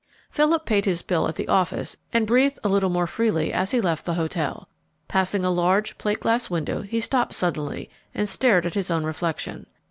Philip paid his bill at the office and breathed a little more freely as he left the hotel. Passing a large, plate glass window he stopped suddenly and stared at his own reflection.